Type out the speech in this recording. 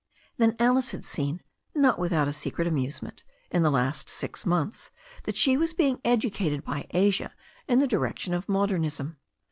Then Alice had seen, not without a secret amusement, in the last six months, that she was being educated by Asia in the direction of modernism.